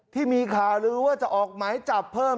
ที่มีข่าวลือว่าจะออกหมายจับเพิ่ม